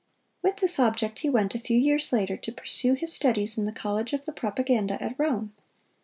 With this object he went, a few years later, to pursue his studies in the College of the Propaganda at Rome.